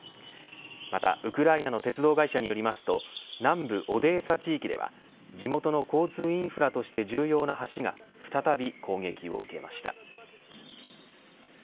またウクライナの鉄道会社によりますと南部オデーサ地域では地元の交通インフラとして重要な橋が再び攻撃を受けました。